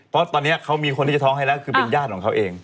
เพราะตอนนี้เขามีคนที่จะท้องให้แล้วคือเป็นญาติของเขาเอง